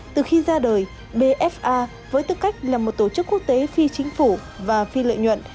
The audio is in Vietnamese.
từ khi ra đời bfa với tư cách là một tổ chức quốc tế phi chính phủ và phi lợi nhuận